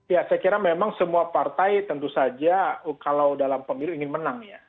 ya saya kira memang semua partai tentu saja kalau dalam pemilu ingin menang ya